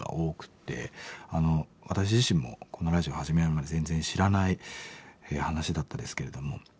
私自身もこのラジオ始めるまで全然知らない話だったですけれども。